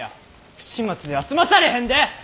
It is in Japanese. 不始末では済まされへんで！